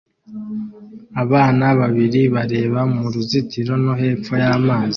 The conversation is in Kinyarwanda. Abana babiri bareba mu ruzitiro no hepfo y'amazi